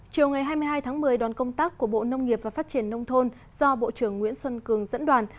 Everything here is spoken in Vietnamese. chiều ngày hai mươi hai tháng một mươi đoàn công tác của bộ nông nghiệp và phát triển nông thôn do bộ trưởng nguyễn xuân cường dẫn đoàn